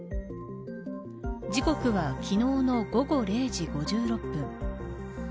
時刻は昨日の午後０時５６分。